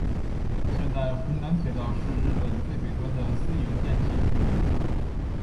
现在弘南铁道是日本最北端的私营电气铁路公司。